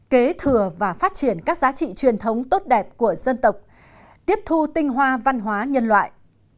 kế thừa và phát triển các giá trị truyền thống tốt đẹp của dân tộc tiếp thu tinh hoa văn hóa nhân loại